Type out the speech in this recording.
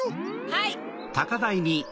はい！